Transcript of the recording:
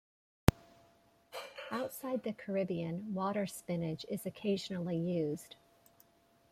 Outside of the Caribbean, water spinach is occasionally used.